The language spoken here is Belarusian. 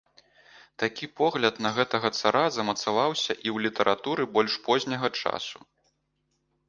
Такі погляд на гэтага цара замацаваўся і ў літаратуры больш позняга часу.